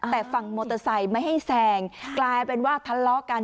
แต่ฝั่งมอเตอร์ไซค์ไม่ให้แซงกลายเป็นว่าทะเลาะกัน